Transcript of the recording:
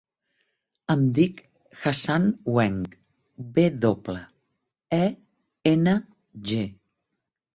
Em dic Hassan Weng: ve doble, e, ena, ge.